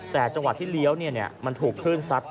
แต่จังหวะที่เลี้ยวมันถูกคลื่นซัด